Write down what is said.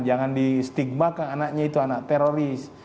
jangan di stigmakan anaknya itu anak teroris